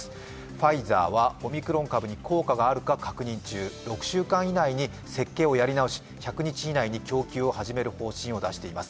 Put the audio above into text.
ファイザーはオミクロン株に効果があるか確認中６週間以内に設計をやり直し、１００日以内に供給を始める方針を出しています。